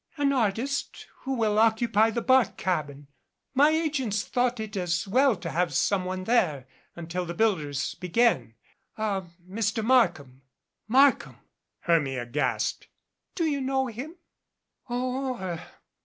"An artist who will occupy the bark cabin. My agents thought it as well to have some one there until the builders begin a Mr. Markham " "Markham !" Hermia gasped. "Do you know him?"